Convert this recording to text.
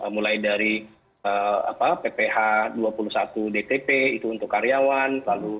mulai dari pph dua puluh satu dtp itu untuk karyawan